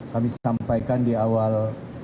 kami sampaikan di awal